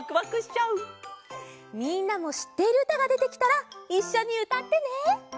みんなもしっているうたがでてきたらいっしょにうたってね！